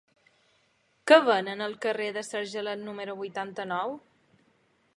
Què venen al carrer de Sargelet número vuitanta-nou?